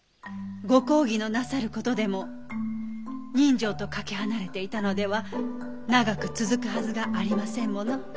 ご公儀のなさることでも人情とかけ離れていたのでは長く続くはずがありませんもの。